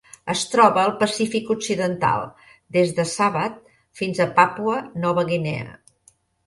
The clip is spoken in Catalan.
Es troba al Pacífic occidental: des de Sabah fins a Papua Nova Guinea.